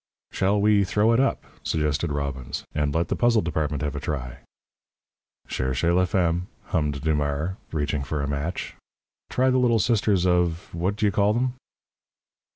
"Shall we throw it up?" suggested Robbins, "and let the puzzle department have a try?" "Cherchez la femme," hummed Dumars, reaching for a match. "Try the Little Sisters of What d' you call 'em."